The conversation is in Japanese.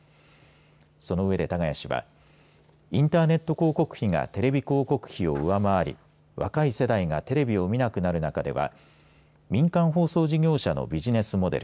その上で多賀谷氏はインターネット広告費がテレビ広告費を上回り若い世代がテレビを見なくなる中では民間放送事業者のビジネスモデル